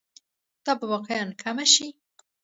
دا به واقعاً کمه شي.